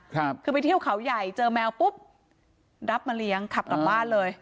คือไปเที่ยวเขาใหญ่เจอแมวปุ๊บรับมาเลี้ยงขับกลับบ้านเลย